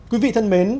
quý vị thân mến